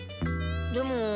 でも。